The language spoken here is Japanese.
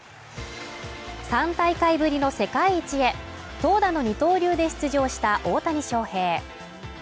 ３大会ぶりの世界一へ、投打の二刀流で出場した大谷翔平。